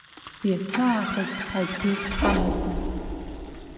Иацаахыс аӡы ҳамаӡам.